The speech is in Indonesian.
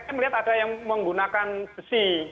saya melihat ada yang menggunakan besi